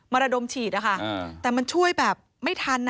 ระดมฉีดนะคะแต่มันช่วยแบบไม่ทัน